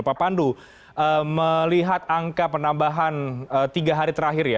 pak pandu melihat angka penambahan tiga hari terakhir ya